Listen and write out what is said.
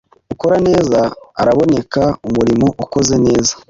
ukora neza araboneka Umurimo ukoze neza